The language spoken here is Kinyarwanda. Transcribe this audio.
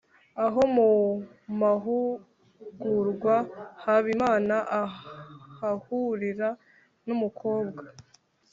Aho mu mahugurwa Habimana ahahurira n’umukobwa